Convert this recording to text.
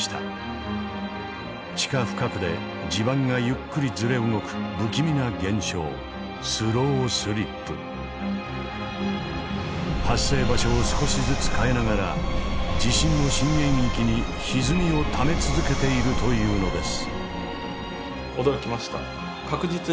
地下深くで地盤がゆっくりずれ動く不気味な現象発生場所を少しずつ変えながら地震の震源域にひずみをため続けているというのです。